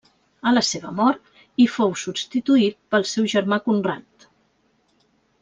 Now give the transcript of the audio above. A la seva mort, hi fou substituït pel seu germà Conrad.